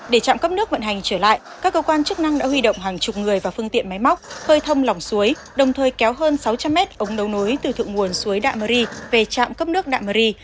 để trạm cấp nước vận hành trở lại các cơ quan chức năng đã huy động hàng chục người vào phương tiện máy móc khơi thông lòng suối đồng thời kéo hơn sáu trăm linh mét ống nấu nối từ thượng nguồn suối đạm mưu ri về trạm cấp nước đạm mưu ri